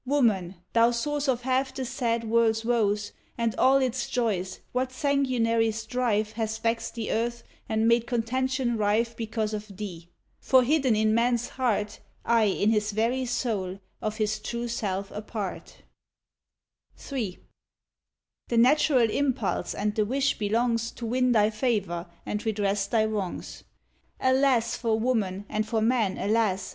Woman, thou source of half the sad world's woes And all its joys, what sanguinary strife Has vexed the earth and made contention rife Because of thee! For, hidden in man's heart, Ay, in his very soul, of his true self a part, III. The natural impulse and the wish belongs To win thy favor and redress thy wrongs. Alas! for woman, and for man, alas!